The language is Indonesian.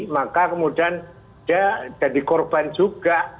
maka kemudian dia jadi korban juga